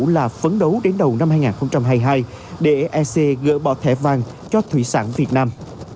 là phấn đấu đến đầu năm hai nghìn hai mươi hai để ec gỡ bỏ thẻ vàng cho thủy sản việt nam